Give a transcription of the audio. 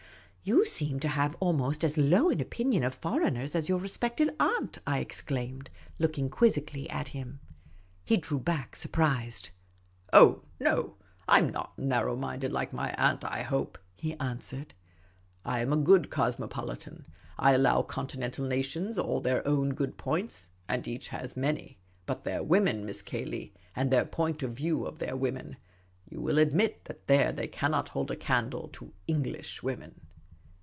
'* You seem to have almost as low an opinion of foreigners as your respected aunt !" I exclaimed, looking quizzically at him. The Supercilious Attache 51^ He drew back, surprised. " Oh, no; I 'm not narrow minded, like my aunt, I hope," he answered. " I am a good cosmopolitan. I allow Continental nations all their own good points, and each has many. But their women, Miss Cayley — and their point of view of their women — you will admit that there they can't hold a candle to English women."